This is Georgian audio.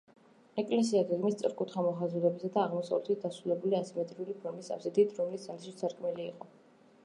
ეკლესია გეგმით სწორკუთხა მოხაზულობისაა, აღმოსავლეთით დასრულებულია ასიმეტრიული ფორმის აბსიდით, რომლის ცენტრში სარკმელი იყო.